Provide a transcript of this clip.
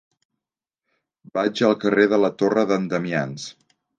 Vaig al carrer de la Torre d'en Damians.